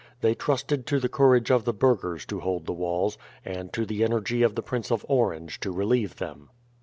They trusted to the courage of the burghers to hold the walls, and to the energy of the Prince of Orange to relieve them.